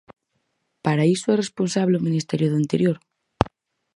Para iso é responsable o Ministerio do Interior.